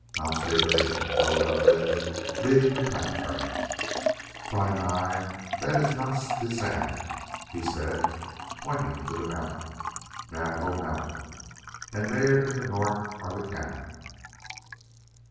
Nas Ta Bega rode up then, leading the pack train. "Bi Nai, that is Na tsis an," he said, pointing to the mountain. "Navajo Mountain. And there in the north are the cañon."